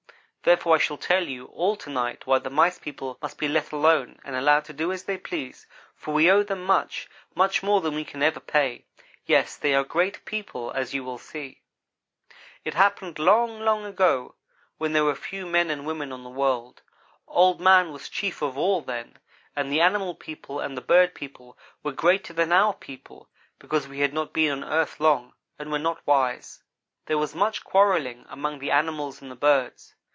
Therefore I shall tell you all to night why the Mice people must be let alone and allowed to do as they please, for we owe them much; much more than we can ever pay. Yes they are great people, as you will see. " It happened long, long ago, when there were few men and women on the world. Old man was chief of all then, and the animal people and the bird people were greater than our people, because we had not been on earth long and were not wise. "There was much quarrelling among the animals and the birds.